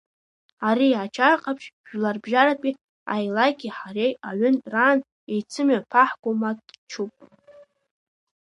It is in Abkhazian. Ари, Аџьар Ҟаԥшь Жәларбжьаратәи Аилаки ҳареи аҩынтә раан еицымҩаԥаҳго матчуп.